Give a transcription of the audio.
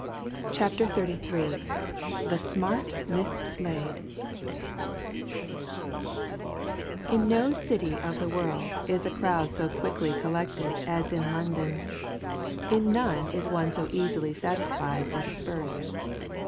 CHAPTER XXXIII THE SMART MISS SLADE In no city of the world is a crowd so quickly collected as in London; in none is one so easily satisfied and dispersed.